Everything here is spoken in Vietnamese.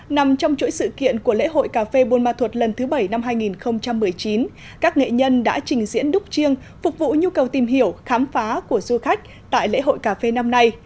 nằm trong chuỗi sự kiện của lễ hội cà phê buôn ma thuột lần thứ bảy năm hai nghìn một mươi chín các nghệ nhân đã trình diễn đúc chiêng phục vụ nhu cầu tìm hiểu khám phá của du khách tại lễ hội cà phê năm nay